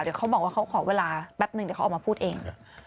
เดี๋ยวเขาบอกว่าเขาขอเวลาแป๊บนึงเดี๋ยวเขาออกมาพูดเอง